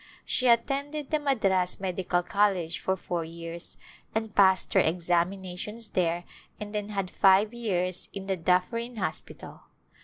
She attended the Madras Medical College for four years and passed her examinations there and then had five years in the Duf ferin Hospital.